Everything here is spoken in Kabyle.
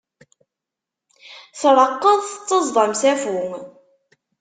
Treqqeḍ tettaẓeḍ am usafu.